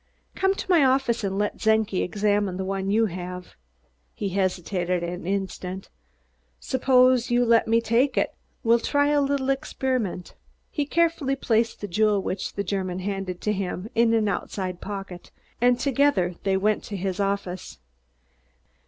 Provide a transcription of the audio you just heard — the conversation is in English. Come to my office and let Czenki examine the one you have." He hesitated an instant. "Suppose you let me take it. We'll try a little experiment." He carefully placed the jewel which the German handed to him, in an outside pocket, and together they went to his office.